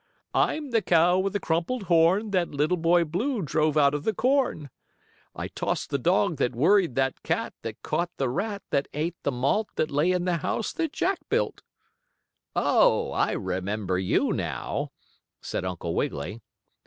I'm the cow with the crumpled horn, that little Boy Blue drove out of the corn. I tossed the dog that worried that cat that caught the rat that ate the malt that lay in the house that Jack built." "Oh, I remember you now," said Uncle Wiggily.